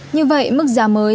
như vậy mức giá mới